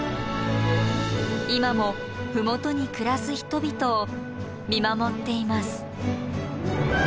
今も麓に暮らす人々を見守っています。